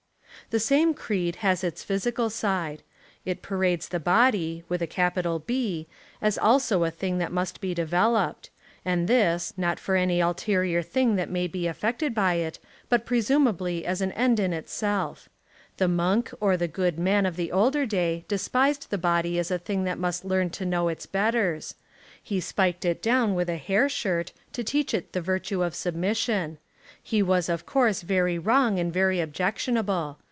The same creed has its physical side. It pa rades the Body, with a capital B, as also a thing that must be developed; and this, not for any ulterior thing that may be effected by it but presumably as an end in itself. The Monk or the Good Man of the older day despised the body as a thing that must learn to know its betters. He spiked it down with a hair shirt to teach it the virtue of submission. He was of course very wrong and very objection able.